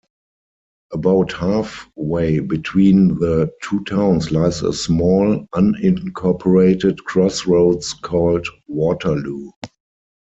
About halfway between the two towns lies a small, unincorporated crossroads called "Waterloo".